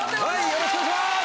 よろしくお願いします！